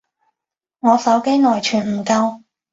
我手機內存唔夠